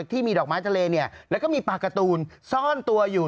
ที่มีดอกไม้ทะเลแล้วก็มีปลาการ์ตูนซ่อนตัวอยู่